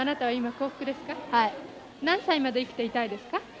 はい何歳まで生きていたいですか？